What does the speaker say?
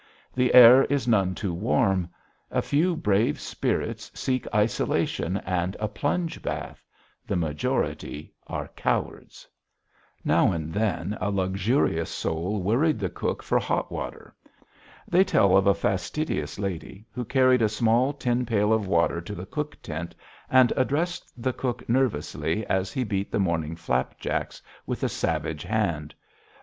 The air is none too warm. A few brave spirits seek isolation and a plunge bath. The majority are cowards. [Illustration: EATON CAMP NEAR ALTYN MOUNTAIN] Now and then a luxurious soul worried the cook for hot water. They tell of a fastidious lady who carried a small tin pail of water to the cook tent and addressed the cook nervously as he beat the morning flapjacks with a savage hand.